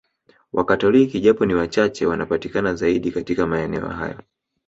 Wakatoliki japo ni wachache wanapatikana zaidi katika maeneo hayo